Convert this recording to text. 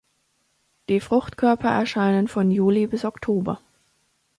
Die Fruchtkörper erscheinen von Juli bis Oktober.